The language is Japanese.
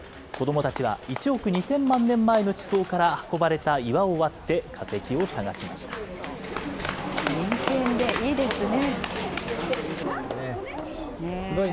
子どもたちは１億２０００万年前の地層から運ばれた岩を割って、真剣で、いいですね。